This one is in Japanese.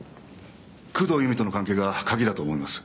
工藤由美との関係が鍵だと思います。